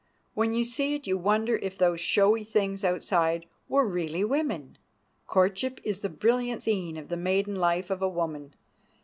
When you see it you wonder if those showy things outside were really women. Courtship is the brilliant scene in the maiden life of a woman.